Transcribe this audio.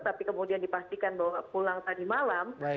tapi kemudian dipastikan bahwa pulang tadi malam